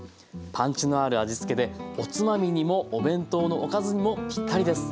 パンチのある味付けでおつまみにもお弁当のおかずにもぴったりです。